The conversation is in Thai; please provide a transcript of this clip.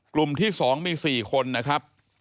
กลุ่มที่๒มี๔คนนะครับ